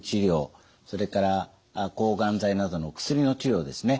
それから抗がん剤などの薬の治療ですね